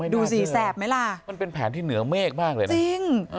ดูสิแสบไหมล่ะมันเป็นแผนที่เหนือเมฆมากเลยนะจริง